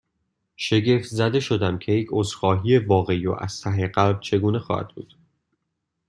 شگفت زده شدم، که یک عذرخواهی واقعی و از ته قلب چگونه خواهد بود؟